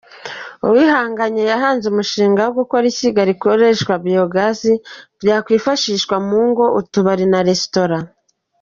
Uwihanganye yahanze umushinga wo gukora ishyiga rikoresha Biyogazi ryakwifashishwa mu ngo, utubari n’amaresitora.